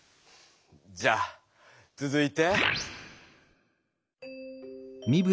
じゃあつづいて。